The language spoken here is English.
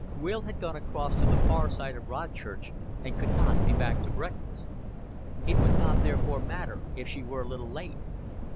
Will had gone across to the far side of Rodchurch and could not be back to breakfast. It would not therefore matter if she were a little late.